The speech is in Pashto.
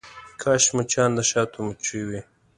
کاش مچان د شاتو مچۍ وی.